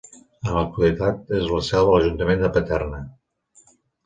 En l'actualitat és la seu de l'ajuntament de Paterna.